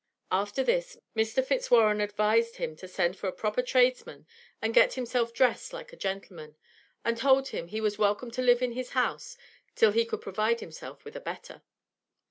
After this Mr. Fitzwarren advised him to send for a proper tradesman and get himself dressed like a gentleman; and told him he was welcome to live in his house till he could provide himself with a better.